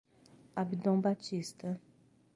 Abdon Batista